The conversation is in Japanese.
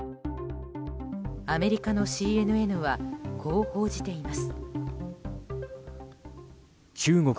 アメリカのＣＮＮはこう報じています。